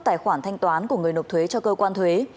tài khoản thanh toán của người nộp thuế cho cơ quan thuế